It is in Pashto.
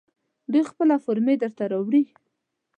دوی خپله فورمې درته راوړي.